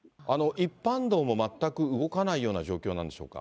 一般道も全く動かないような状況なんでしょうか？